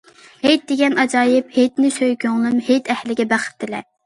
ھېيت دېگەن ئاجايىپ، ھېيتنى سۆي كۆڭلۈم، ھېيت ئەھلىگە بەخت تىلە!